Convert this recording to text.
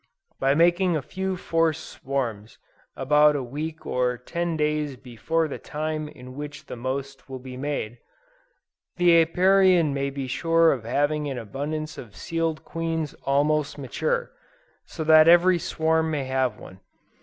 By making a few forced swarms, about a week or ten days before the time in which the most will be made, the Apiarian may be sure of having an abundance of sealed queens almost mature, so that every swarm may have one.